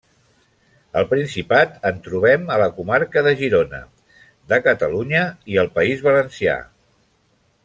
Al Principat, en trobem a la comarca de Girona de Catalunya i al País Valencià.